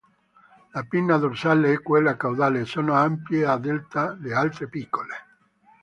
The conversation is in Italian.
La pinna dorsale e quella caudale sono ampie, a delta, le altre piccole.